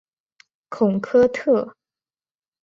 孔科特。